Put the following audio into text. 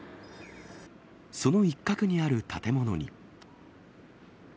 その一角にある建物に。